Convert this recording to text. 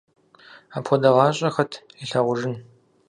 Апхуэдэ гъащӀэ хэт илъагъужын…